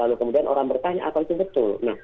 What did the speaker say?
lalu kemudian orang bertanya apa itu betul